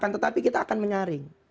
tetapi kita akan menyaring